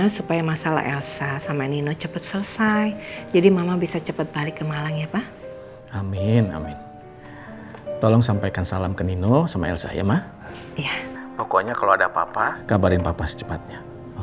sampai jumpa di video selanjutnya